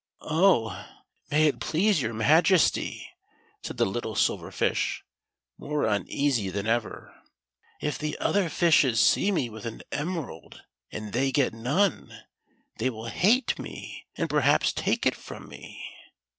" Oh ! may it please your Majesty," said the little Silver Fish, more uneasy than ever, "if the other fishes see me with an emerald and they get none, they will hate me, and perhaps take it from me."